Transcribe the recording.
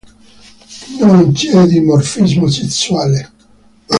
Non c'è dimorfismo sessuale.